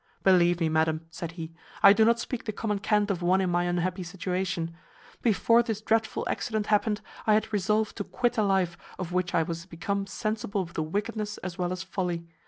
"Believe me, madam," said he, "I do not speak the common cant of one in my unhappy situation. Before this dreadful accident happened, I had resolved to quit a life of which I was become sensible of the wickedness as well as folly.